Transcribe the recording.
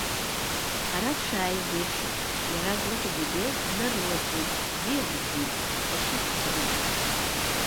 Ара дшааиз еиԥш иаразнак зегьы днарылаҵәеит, бзиа дырбеит, ашьыццәа рыда.